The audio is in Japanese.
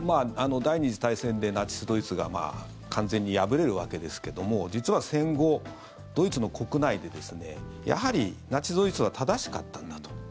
第２次大戦でナチス・ドイツが完全に敗れるわけですけども実は戦後、ドイツの国内でやはりナチス・ドイツは正しかったんだと。